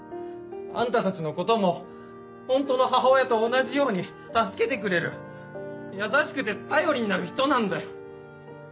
あんたたちのこともホントの母親と同じように助けてくれる優しくて頼りになる人なんだ。